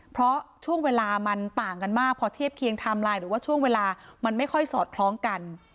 เพราะช่วงเวลามันต่างกันมากพอเทียบเคียงไทม์ไลน์หรือว่าช่วงเวลามันไม่ค่อยสอดคล้องกัน